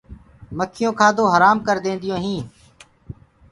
مکيونٚ ڪآدو هرآم ڪر دينديونٚ هينٚ۔